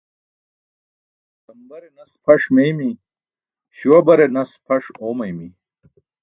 Sambare nas pʰaṣ meeymi̇, śuwa bare nas pʰaṣ oomaymi.